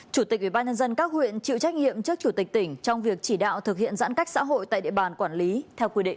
chủ tịch ubnd các huyện chịu trách nhiệm trước chủ tịch tỉnh trong việc chỉ đạo thực hiện giãn cách xã hội tại địa bàn quản lý theo quy định